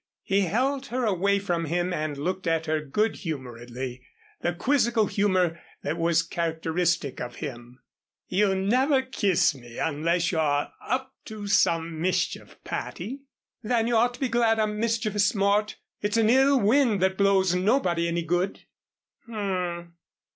He held her away from him and looked at her good humoredly the quizzical humor that was characteristic of him. "You never kiss me unless you're up to some mischief, Patty." "Then you ought to be glad I'm mischievous, Mort. It's an ill wind that blows nobody any good." "H m.